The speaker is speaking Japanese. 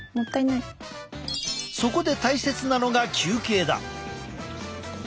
そこで大切なのが休憩だ。